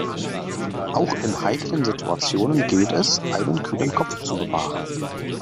Auch in heiklen Situationen gilt es, einen kühlen Kopf zu bewahren.